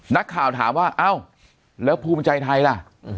นักข่าวถามว่าเอ้าแล้วภูมิใจไทยล่ะ